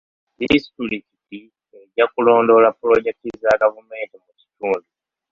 Disitulikiti ejja kulondoola pulojekiti za gavumenti mu kitundu.